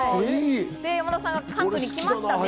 山田さんが関東に来ましたね。